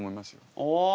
ああ。